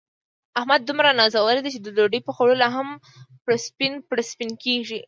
احمد دومره نازولی دی، چې د ډوډۍ په خوړلو هم پړسپن پړسپن کېږي.